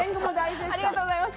ありがとうございます